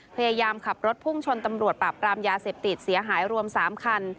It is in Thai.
พยายามขับรถพุ่งชนตำรวจปราบปรามยาเสพติดเสียหายรวม๓คัน